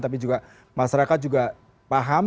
tapi juga masyarakat juga paham